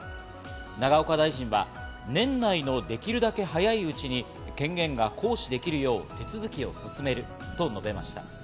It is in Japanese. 永岡大臣は年内のできるだけ早いうちに権限が行使できるよう、手続きを進めると述べました。